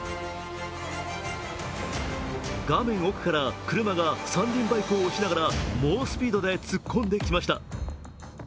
画面奥から車が三輪バイクを押しながら猛スピードで突っ込んできました。